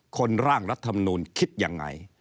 ร่างรัฐมนูลคิดยังไง